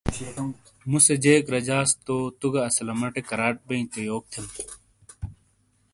مُوسے جیک رجاس تو تُو گہ اسلمٹے کراٹ بئی تو یوک تھم